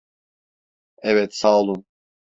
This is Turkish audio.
Evet, sağolun.